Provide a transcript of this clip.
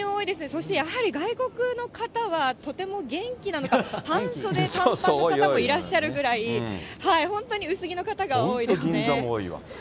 そしてやはり、外国の方はとても元気なのか、半袖、短パンの方もいらっしゃるぐらい、本当、銀座も多いわ。